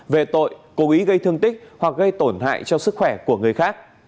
về tội cố ý gây thương tích hoặc gây tổn hại cho suy nghĩ